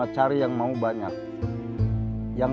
pas asian tanya gini